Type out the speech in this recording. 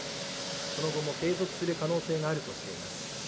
その後も継続する可能性があるとしています。